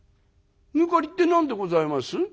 「抜かりって何でございます？」。